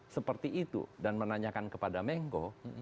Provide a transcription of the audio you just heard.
seperti itu dan menanyakan kepada mengko